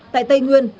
tại tây nguyên